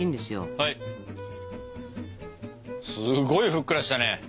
すごいふっくらしたね。